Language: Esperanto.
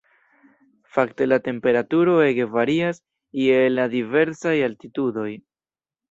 Fakte la temperaturo ege varias je la diversaj altitudoj.